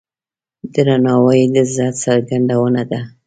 درناوی د عزت څرګندونه ده.